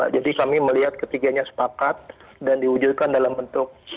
jadi kami melihat ketiganya sepakat dan diwujudkan dalam bentuk